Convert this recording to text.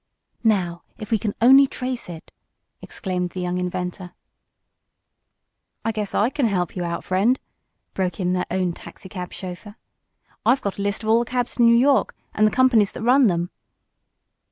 "Now if we can only trace it!" exclaimed the young inventor. "I guess I can help you out, friend," broke in their own taxicab chauffeur. "I've got a list of all the cabs in New York, and the companies that run them."